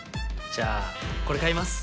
じゃあこれ買います。